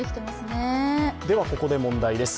では、ここで問題です。